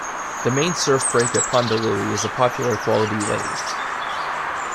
The main surf break at Pondalowie is a popular quality wave.